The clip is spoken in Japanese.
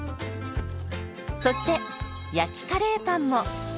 そして焼きカレーパンも。